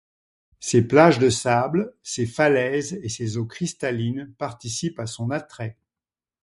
Ses plages de sables, ses falaises et ses eaux cristallines participent à son attrait.